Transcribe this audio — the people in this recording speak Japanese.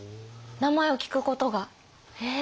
名前を聞くことが？え！